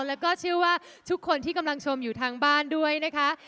แล้วก็เชื่อว่าทุกคนที่กำลังชมอยู่ทางบ้านด้วยนะคะ